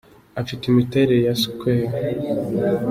Afite imiterere ya square “H” .